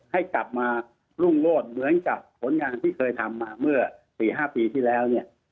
ให้กลับมารุ่งโลศเหมือนกับผลงานที่เคยทำมาเมื่อ๔๕ปีที่แล้วเนี่ย